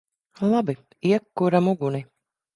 Labi. Iekuram uguni!